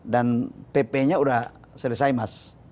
dan pp nya sudah selesai mas